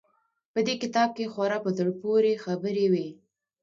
په دې کتاب کښې خورا په زړه پورې خبرې وې.